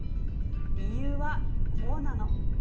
理由はこうなの。